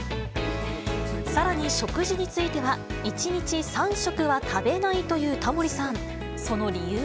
さらに食事については、１日３食は食べないというタモリさん。